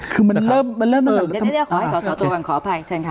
คือมันเริ่มมันเริ่มเดี๋ยวขอให้สตจูบการขออภัยเชิญค่ะ